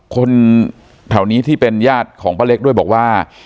คนแถวนี้ที่เป็นญาติของป้าเล็กด้วยบอกว่า